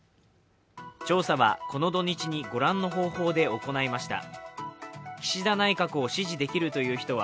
調査はこの土日にご覧の方法で行いました。